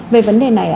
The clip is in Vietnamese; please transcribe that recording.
về vấn đề này